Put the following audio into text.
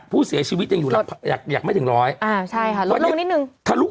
เค้ามีวินัยมากกว่าพิธีกรจริงเนาะ